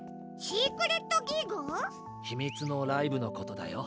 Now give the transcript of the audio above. ひみつのライブのことだよ。